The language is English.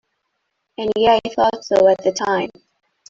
And yet I thought so at the time!